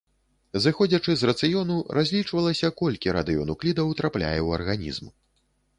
Зыходзячы з рацыёну, разлічвалася, колькі радыенуклідаў трапляе ў арганізм.